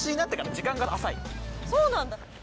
そうなんだ。